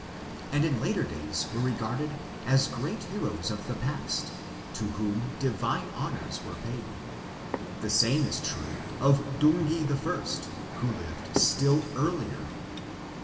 and in later days were regarded as great heroes of the past to whom divine honours were paid ; the same is true of Dungi I, who lived still earlier.